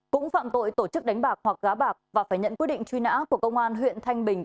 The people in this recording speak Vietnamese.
cũng phạm tội tổ chức đánh bạc hoặc gá bạc và phải nhận quyết định truy nã của công an huyện thanh bình